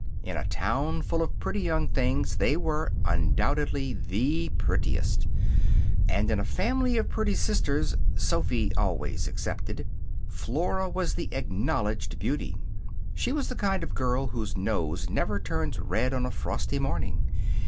In a town full of pretty young things, they were, undoubtedly, the prettiest; and in a family of pretty sisters (Sophy always excepted) Flora was the acknowledged beauty. She was the kind of girl whose nose never turns red on a frosty morning.